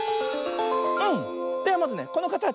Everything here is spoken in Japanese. ではまずねこのかたち。